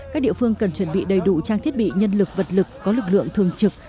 các địa phương cần chuẩn bị đầy đủ trang thiết bị nhân lực vật lực có lực lượng thường trực